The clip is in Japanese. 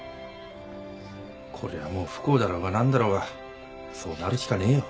これはもう不幸だろうが何だろうがそうなるしかねえよ。